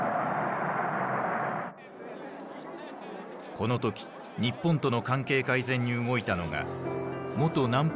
この時日本との関係改善に動いたのが元南方特別留学生だった。